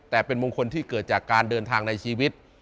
แต่เป็นมงคลที่เกิดจากการเดินทางในชีวิต